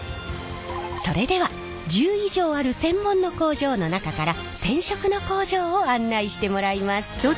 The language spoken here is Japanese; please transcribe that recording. それでは１０以上ある専門の工場の中から染色の工場を案内してもらいます。